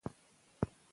ایمیلي د هنري مور ده.